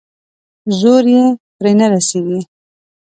زور يې پرې نه رسېږي.